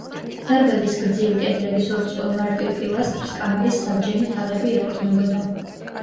დარბაზის გრძივი კედლების ორ წყვილ მარტივ პილასტრს კამარის საბჯენი თაღები ეყრდნობოდა.